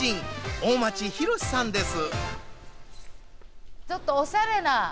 大町浩さんです。